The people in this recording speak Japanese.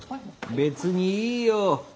別にいいよ。